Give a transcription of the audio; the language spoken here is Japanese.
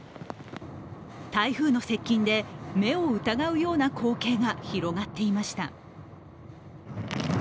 台風の接近で目を疑うような光景が広がっていました。